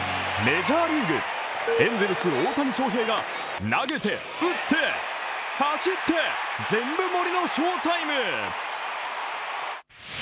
メジャーリーグ、エンゼルス・大谷翔平が投げて、打って、走って全部盛りの翔タイム。